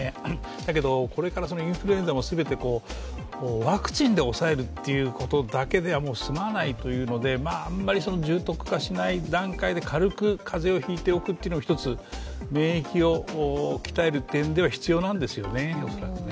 だけどこれからインフルエンザも全てワクチンで抑えるっていうことだけではもう済まないというので、あんまり重篤化しない段階で軽く風邪をひいておくというのも１つ、免疫を鍛える点では必要なんですよね、恐らくね。